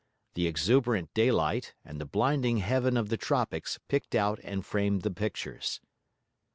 The exuberant daylight and the blinding heaven of the tropics picked out and framed the pictures.